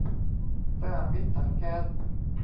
สหมิตรถังแก๊ส